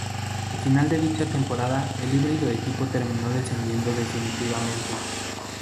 Al final de dicha temporada el híbrido equipo terminó descendiendo definitivamente.